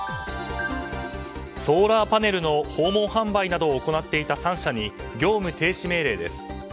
ソーラーパネルの訪問販売などを行っていた３社に業務停止命令です。